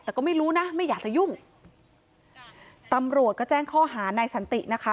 แต่ก็ไม่รู้นะไม่อยากจะยุ่งตำรวจก็แจ้งข้อหานายสันตินะคะ